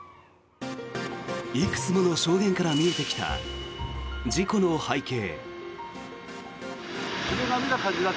いくつもの証言から見えてきた事故の背景。